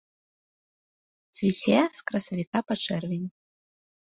Цвіце з красавіка па чэрвень.